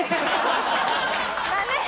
ダメ！